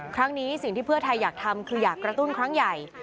สิ่งที่เพื่อไทยอยากทำคืออยากกระตุ้นครั้งใหญ่